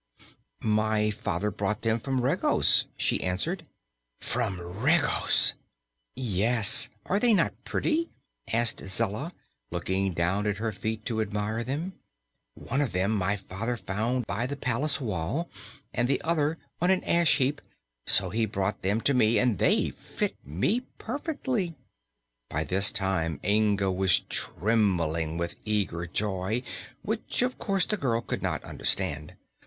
"My father brought them to me from Regos," she answered. "From Regos!" "Yes. Are they not pretty?" asked Zella, looking down at her feet to admire them. "One of them my father found by the palace wall, and the other on an ash heap. So he brought them to me and they fit me perfectly." By this time Inga was trembling with eager joy, which of course the girl could not understand.